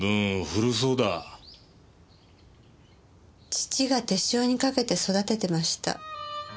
父が手塩にかけて育ててました。